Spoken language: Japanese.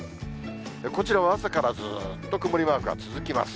こちらは朝からずっと曇りマークが続きます。